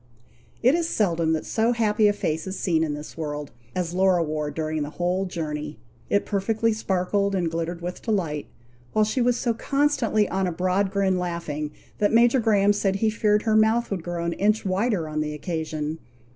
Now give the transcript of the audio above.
It is seldom that so happy a face is seen in this world, as Laura wore during the whole journey. It perfectly sparkled and glittered with delight, while she was so constantly on a broad grin laughing, that Major Graham said he feared her mouth would grow an inch wider on the occasion.